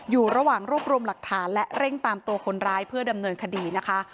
อยู่ระหว่างรวบรวมหลักฐานและเร่งตามตัวคนร้ายเพื่อดำเนินคดีนะคะ